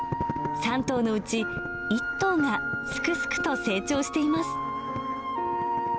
３頭のうち１頭がすくすくと成長しています。